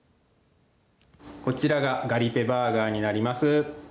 こちらがガリテバーガーになります。